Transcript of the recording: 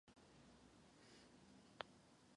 Hlavní postava tohoto filmu.